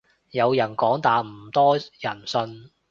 有人講但唔多人信